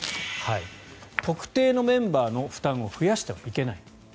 特定のメンバーの負担を増やしてはいけない。